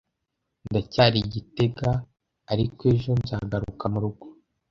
Ndacyari i gitega, ariko ejo nzagaruka murugo.